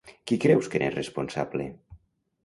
Qui creus que n'és responsable?